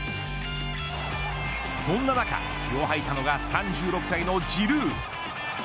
そんな中気をはいた３６歳のジルー。